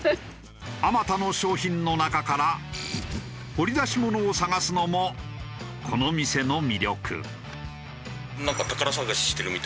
あまたの商品の中から掘り出し物を探すのもこの店の魅力。